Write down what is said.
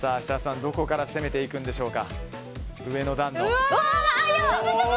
どこからいくんでしょうか。